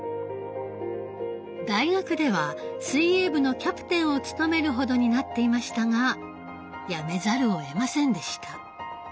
大学では水泳部のキャプテンを務めるほどになっていましたがやめざるをえませんでした。